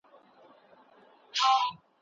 هغه ځواب ورکوي